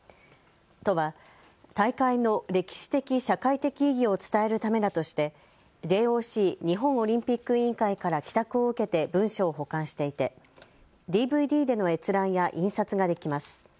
都は大会の歴史的・社会的意義を伝えるためだとしてＪＯＣ・日本オリンピック委員会から寄託を受けて文書を保管していてＤＶＤでの閲覧や印刷ができます。